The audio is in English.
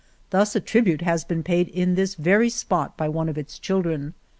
Thus a tribute has been paid in this very spot by one of its children.